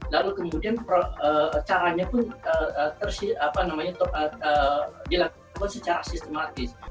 lalu kemudian caranya pun dilakukan secara sistematis